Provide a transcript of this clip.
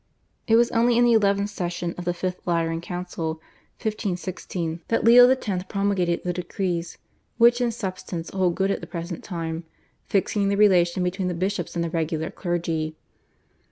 It was only in the eleventh session of the Fifth Lateran Council (1516) that Leo X. promulgated the decrees, which in substance hold good at the present time, fixing the relation between the bishops and the regular clergy.